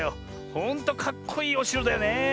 ほんとかっこいいおしろだよねえ